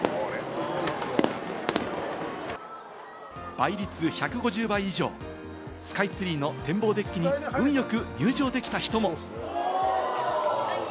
倍率１５０倍以上、スカイツリーの天望デッキに運よく入場できた人も。